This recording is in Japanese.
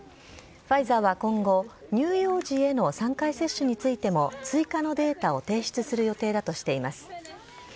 ファイザーは今後、乳幼児への３回接種についても、追加のデータを提出する予定だとしています。